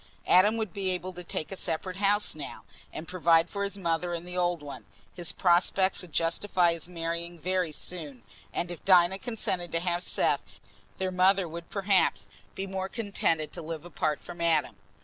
Adam would be able to take a separate house now, and provide for his mother in the old one; his prospects would justify his marrying very soon, and if Dinah consented to have Seth, their mother would perhaps be more contented to live apart from Adam.